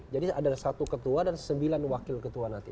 jadi ada satu ketua dan sembilan wakil ketua nanti